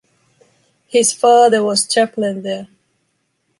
His father was chaplain there.